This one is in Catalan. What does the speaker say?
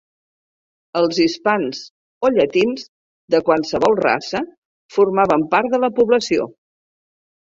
Els hispans o llatins de qualsevol raça formaven part de la població.